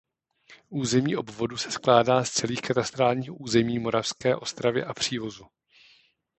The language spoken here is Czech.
Území obvodu se skládá z celých katastrálních území Moravské Ostravy a Přívozu.